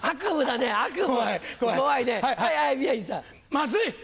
まずい！